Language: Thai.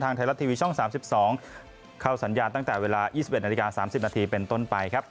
ทางไทยรัติวิช่อง๓๒เข้าสัญญาณตั้งแต่เวลา๒๑๓๐เป็นต้นไปครับ